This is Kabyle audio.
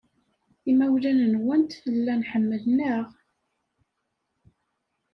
Imawlan-nwent llan ḥemmlen-aɣ.